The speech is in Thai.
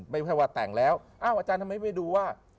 ไม่ใช่ว่าแต่งแล้วอ้าวอาจารย์ทำไมไม่ดูว่า